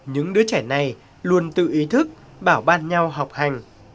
những đứa trẻ này luôn tự ý thức bảo ban nhau học hành